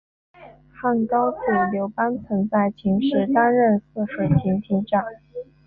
汉高祖刘邦曾在秦时担任泗水亭亭长。